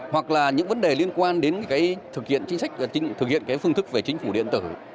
hoặc là những vấn đề liên quan đến thực hiện phương thức về chính phủ điện tử